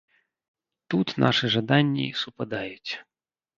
Тут нашы жаданні супадаюць.